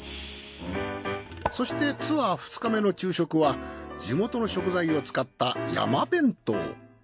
そしてツアー２日目の昼食は地元の食材を使ったやま弁当。